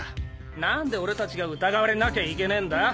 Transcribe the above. なんで俺達が疑われなきゃいけねえんだ！？